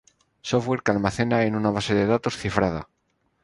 software que almacena en una base de datos cifrada